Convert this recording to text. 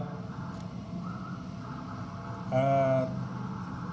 pemenuhan dari undang undang nomor dua puluh empat